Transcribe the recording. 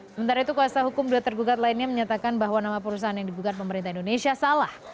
sementara itu kuasa hukum dua tergugat lainnya menyatakan bahwa nama perusahaan yang digugat pemerintah indonesia salah